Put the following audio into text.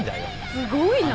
すごいな。